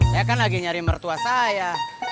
saya kan lagi nyari mertua saya